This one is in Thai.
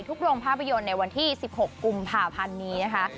โรงภาพยนตร์ในวันที่๑๖กุมภาพันธ์นี้นะคะ